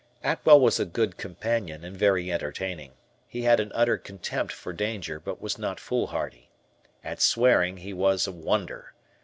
Atwell was a good companion and very entertaining. He had an utter contempt for danger but was not foolhardy. At swearing he was a wonder.